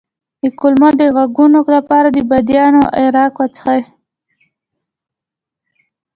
د کولمو د غږونو لپاره د بادیان عرق وڅښئ